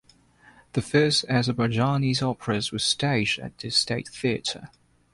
The first Azerbaijani operas were staged at the State Theater.